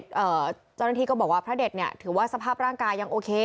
เจ้าหน้าที่ก็บอกว่าพระเด็ดเนี่ยถือว่าสภาพร่างกายยังโอเค